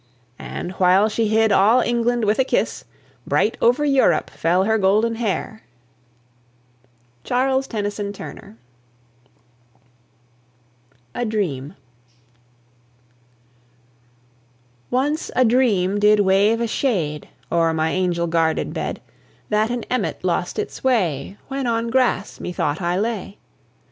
And, while she hid all England with a kiss, Bright over Europe fell her golden hair! CHARLES TENNYSON TURNER. A DREAM. Once a dream did wave a shade O'er my angel guarded bed, That an emmet lost its way When on grass methought I lay.